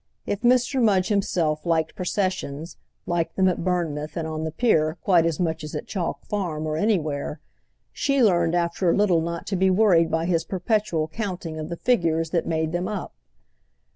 If Mr. Mudge himself liked processions, liked them at Bournemouth and on the pier quite as much as at Chalk Farm or anywhere, she learned after a little not to be worried by his perpetual counting of the figures that made them up.